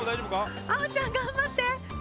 青ちゃん頑張って！